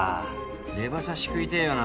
レバ刺し食いてぇよな。